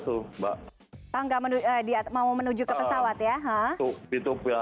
tangga mau menuju ke pesawat ya